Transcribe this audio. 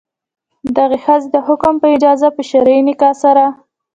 دغې ښځې د حاکم په اجازه په شرعي نکاح سره.